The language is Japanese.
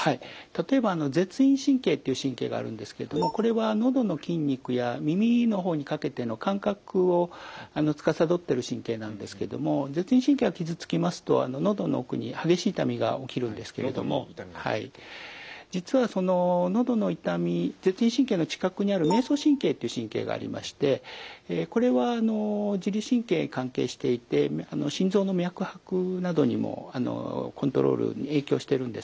例えばあの舌咽神経っていう神経があるんですけれどもこれは喉の筋肉や耳の方にかけての感覚をつかさどってる神経なんですけども舌咽神経が傷つきますと実はそののどの痛み舌咽神経の近くにある迷走神経っていう神経がありましてこれはあの自律神経に関係していて心臓の脈拍などにもあのコントロールに影響しているんですね。